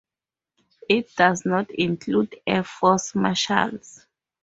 It does not include air force marshals.